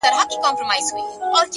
هره ناکامي د بیا هڅې درس دی!